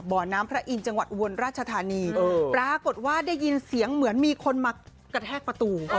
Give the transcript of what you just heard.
บ่อน้ำพระอินทร์จังหวัดอุบลราชธานีปรากฏว่าได้ยินเสียงเหมือนมีคนมากระแทกประตู